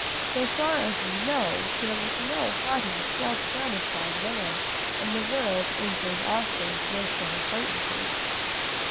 So far as we know there was no haughty, self satisfied man of the world in Jane Austen's list of acquaintances.